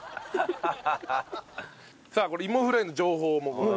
さあいもフライの情報もございます。